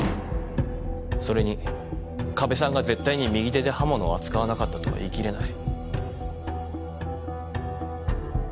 それに加部さんが絶対に右手で刃物を扱わなかったとは言い切れない。